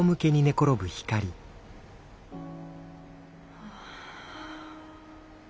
はあ。